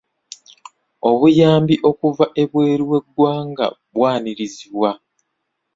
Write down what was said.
Obuyambi okuva ebweru w'eggwanga bwanirizibwa.